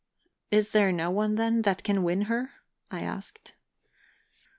"Is there no one, then, that can win her?" I asked.